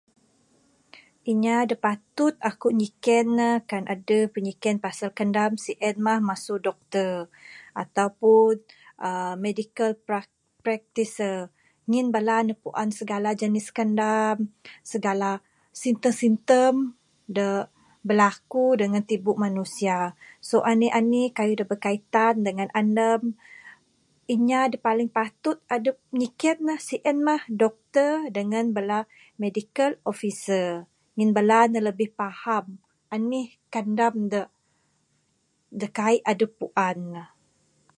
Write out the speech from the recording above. Inya da patut aku nyiken ne kan adeh pinyiken pasal kandam sien mah masu doctor ataupun aaa medical prac, pratiser ngin bala ne puan sigala jenis kandam. Segala simptom simptom de berlaku dangan tibu manusia. So anih anih kayuh da berkaitan dangan andam. Inya da paling patut adep nyiken ne sien mah doctor dangan bala medical officer ngin bala ne lebih paham anih kandam de kaik adep puan ne.